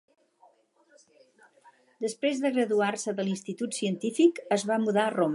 Després de graduar-se de l'institut científic, es va mudar a Roma.